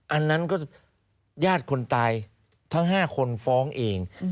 อันนั้นก็ญาติคนตายทั้ง๕คนฟ้องเอง